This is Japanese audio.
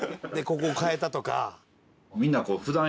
「ここ変えたとか」